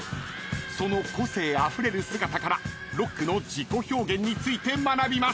［その個性あふれる姿からロックの自己表現について学びます］